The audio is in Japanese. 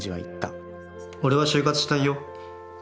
俺は就活しないよ。